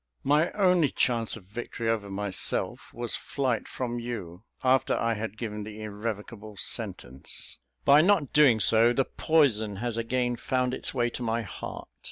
My only chance of victory over myself was flight from you, after I had given the irrevocable sentence; by not doing so, the poison has again found its way to my heart.